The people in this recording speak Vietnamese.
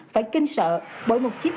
phải kinh sợ bởi một chiếc